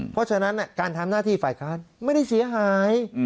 เพราะฉะนั้นการทำหน้าที่ฝ่ายค้านไม่ได้เสียหาย